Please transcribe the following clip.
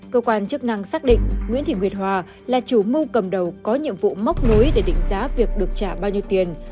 cơ quan chức năng xác định nguyễn thị nguyệt hòa là chủ mưu cầm đầu có nhiệm vụ móc nối để định giá việc được trả bao nhiêu tiền